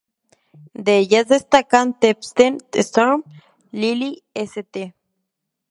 De ellas destacan Tempest Storm, Lili St.